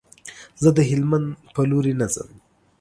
زه د هلمند په لوري نه ځم.